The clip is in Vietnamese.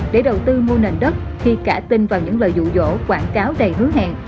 để đầu tư mua nền đất khi cả tin vào những lời dụ dỗ quảng cáo đầy hứa hẹn